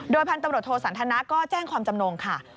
พันธุ์ตำรวจโทสันทนาก็แจ้งความจำนงค่ะ